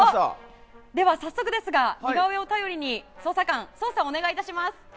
早速ですが似顔絵を頼りに捜査官、捜査をお願いいたします。